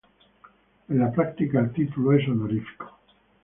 En la práctica, el título es honorífico.